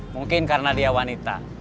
mungkin karena dia wanita